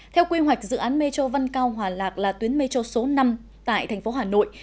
theo quy hoạch dự án metro văn cao hòa lạc là tuyến metro số năm tại thành phố hà nội